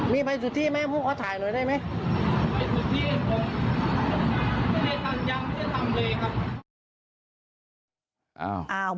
มีใบสุทธิไหมพวกเขาถ่ายหน่อยได้ไหม